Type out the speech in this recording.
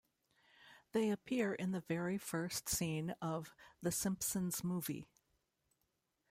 They appear in the very first scene of "The Simpsons Movie".